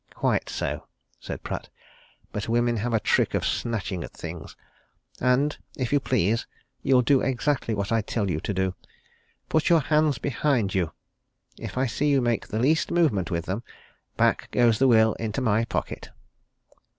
"Quite so," said Pratt. "But women have a trick of snatching at things. And if you please you'll do exactly what I tell you to do. Put your hands behind you! If I see you make the least movement with them back goes the will into my pocket!"